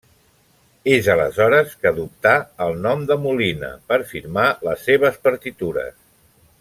És aleshores que adoptà el nom de Molina per firmar les seves partitures.